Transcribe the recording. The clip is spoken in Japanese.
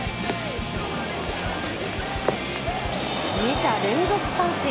２者連続三振。